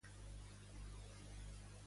Quina funció va tenir a l'Ateneo de Madrid?